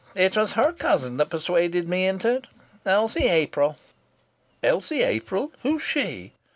It was her cousin that persuaded me into it Elsie April." "Elsie April? Who's she?"